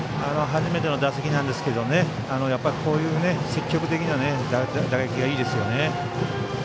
初めての打席なんですけどこういう積極的な打撃がいいですよね。